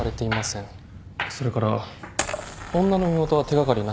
それから女の身元は手掛かりなし。